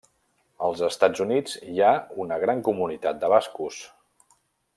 Als Estats Units hi ha una gran comunitat de bascos.